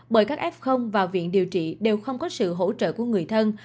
bởi các f vào viện điều trị đều không có sự hỗ trợ của người thân